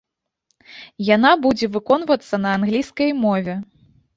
Яна будзе выконвацца на англійскай мове.